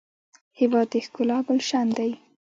هېواد د ښکلا ګلشن دی.